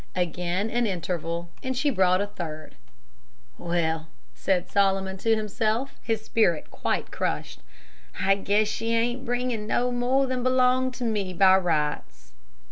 Again an interval, and she brought a third. "Well," said Solomon to himself, his spirit quite crushed, "I guess she ain't bringing no more than belong to me by rights."